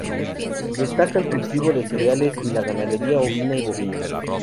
Destaca el cultivo de cereales y la ganadería ovina y bovina.